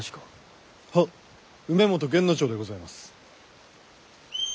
はっ梅本源之丞でございます。